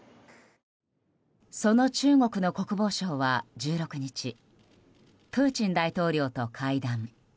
その中国の国防相は１６日、プーチン大統領と会談。